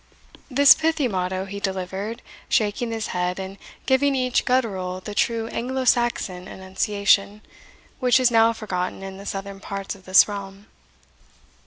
This pithy motto he delivered, shaking his head, and giving each guttural the true Anglo Saxon enunciation, which is now forgotten in the southern parts of this realm.